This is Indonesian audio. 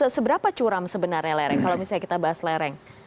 seberapa curam sebenarnya lereng kalau misalnya kita bahas lereng